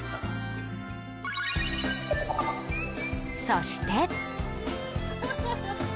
そして。